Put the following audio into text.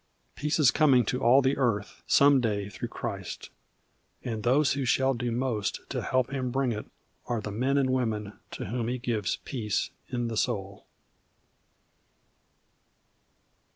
Peace is coming to all the earth some day through Christ. And those who shall do most to help Him bring it are the men and women to whom He gives Peace in the Soul.